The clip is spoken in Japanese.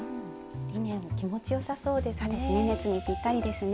リネン気持ちよさそうですね。